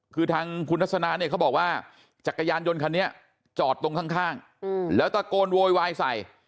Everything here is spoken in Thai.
ก็บอกว่าจักรยานยนต์คันนี้จอดตรงข้างแล้วตะโกนโวยวายใส่